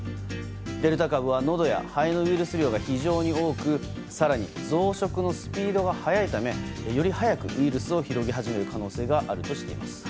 デルタ株はのどや肺のウイルス量が非常に多く更に増殖のスピードが速いためより早くウイルスを広げ始める可能性があるとしています。